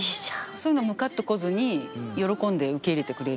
そういうのムカッとこずに喜んで受け入れてくれる？